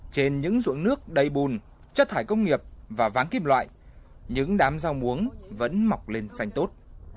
trên những ruộng nước đầy bùn chất thải công nghiệp và váng kim loại những đám rau muống vẫn mọc lên xanh tốt